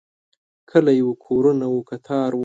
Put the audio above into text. کلی و، کورونه و، کتار و